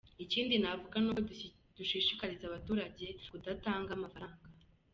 Ikindi navuga ni uko dushishikariza abaturage kudatanga amafaranga.